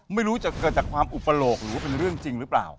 ไม่รู้จะเกิดจากความอุปโลกหรือว่าเป็นเรื่องจริงหรือเปล่า